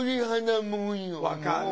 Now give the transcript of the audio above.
分かる。